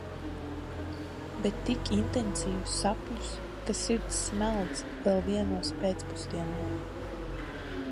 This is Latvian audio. Bet tik intensīvus sapņus, ka sirds smeldz vēl vienos pēcpusdienā.